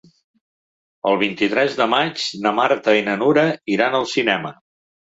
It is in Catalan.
El vint-i-tres de maig na Marta i na Nura iran al cinema.